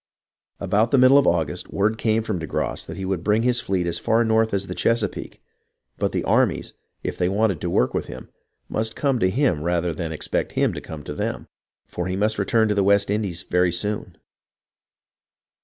About the middle of August, word came from de Grasse that he would bring his fleet as far north as the Chesa peake ; but the armies, if they wanted to work with him, must come to him rather than expect him to come to them, for he must return to the West Indies very soon.